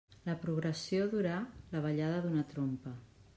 La progressió durà la ballada d'una trompa.